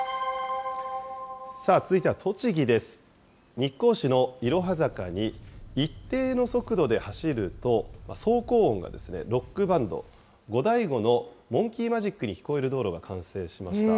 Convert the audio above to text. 日光市のいろは坂に、一定の速度で走ると、走行音がロックバンド、ゴダイゴのモンキー・マジックに聞こえる道路が完成しました。